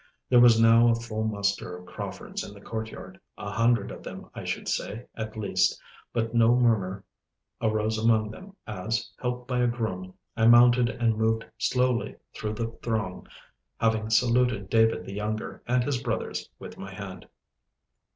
There was now a full muster of Craufords in the courtyard—a hundred of them, I should say, at least. But no murmur arose among them as, helped by a groom, I mounted and moved slowly through the throng, having saluted David the younger and his brothers with my hand.